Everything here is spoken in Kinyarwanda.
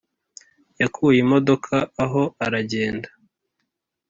yakuye imodoka aho aragenda